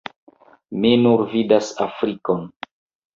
Mi nur vidas Afrikon